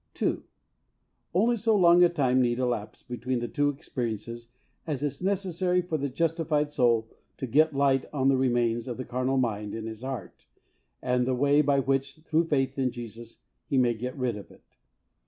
(2.) Only so long a time need elapse between the two experiences as is necessary for the justified soul to get light on the remains of the carnal mind in his heart and the way by which, through faith in Jesus, he may get rid of it.